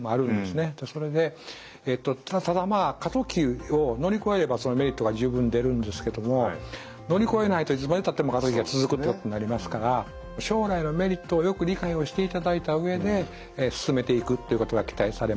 ただ過渡期を乗り越えればメリットが十分出るんですけれども乗り越えないといつまでたっても過渡期が続くということになりますから将来のメリットをよく理解をしていただいた上で進めていくっていうことが期待されます。